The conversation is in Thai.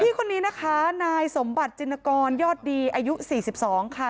คนนี้นะคะนายสมบัติจินกรยอดดีอายุ๔๒ค่ะ